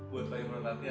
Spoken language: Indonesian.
buat pengen latihan